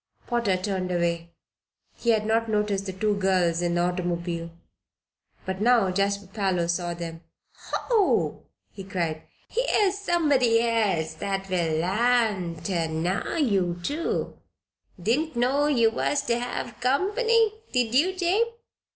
Potter turned away. He had not noticed the two girls in the automobile. But now Jasper Parloe saw them. "Ho!" he cried, "here's somebody else that will l'arn ter know ye, too. Didn't know you was ter hev comp'ny; did ye, Jabe?